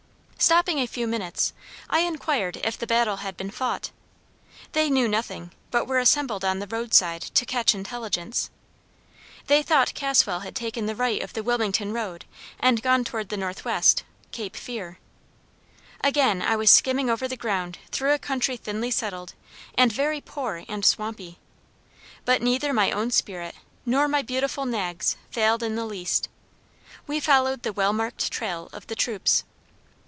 "Stopping a few minutes I enquired if the battle had been fought. They knew nothing, but were assembled on the road side to catch intelligence. They thought Caswell had taken the right of the Wilmington road, and gone toward the northwest (Cape Fear). Again was I skimming over the ground through a country thinly settled, and very poor and swampy; but neither my own spirit nor my beautiful nag's failed in the least. We followed the well marked trail of the troops.